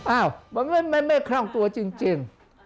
อ้าวมันไม่คล่องตัวจริง